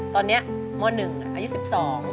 ตอนนี้มหนึ่งอายุสิบสอง